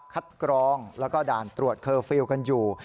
กรองแล้วก็ด่านตรวจเคอร์ฟิลล์กันอยู่